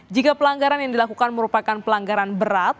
jika pelanggaran yang dilakukan merupakan pelanggaran berat